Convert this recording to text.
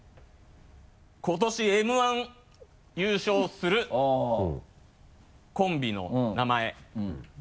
今年Ｍー１優勝するコンビの名前。